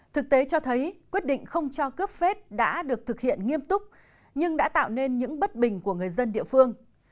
thực tế cho thấy quyết định không cho cướp vết đã được thực hiện nghiêm túc nhưng đã tạo nên những bất bình của người dân địa phương